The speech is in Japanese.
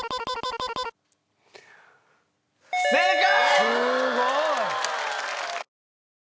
正解！